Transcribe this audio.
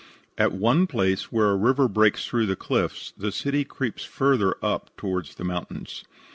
At one place where a river breaks through the cliffs, the city creeps further up towards the mountains.